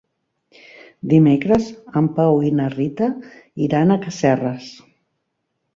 Dimecres en Pau i na Rita iran a Casserres.